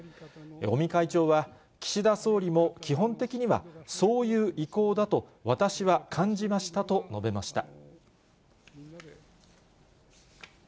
尾身会長は岸田総理も基本的にはそういう意向だと、私は感じましたと述べました。